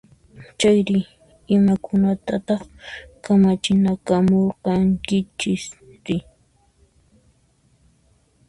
Chayri, imakunatataq kamachinakamurqankichisri?